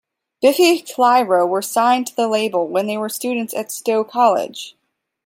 Biffy Clyro were signed to the label while they were students at Stow College.